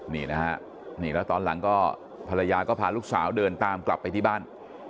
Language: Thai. นี่นะฮะนี่แล้วตอนหลังก็ภรรยาก็พาลูกสาวเดินตามกลับไปที่บ้าน